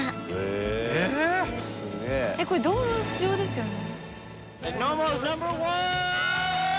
これ道路上ですよね？